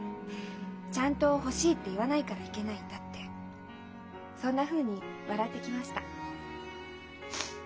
ちゃんと欲しいって言わないからいけないんだ」ってそんなふうに笑ってきました。